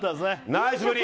ナイスブリ！